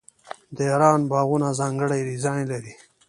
د ایران باغونه ځانګړی ډیزاین لري.